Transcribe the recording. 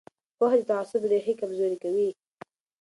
پوهه د تعصب ریښې کمزورې کوي